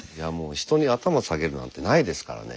人に頭下げるなんてないですからね。